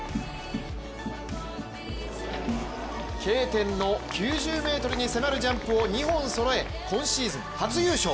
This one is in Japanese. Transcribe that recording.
Ｋ点の９０ｍに迫るジャンプを２本そろえ今シーズン、初優勝。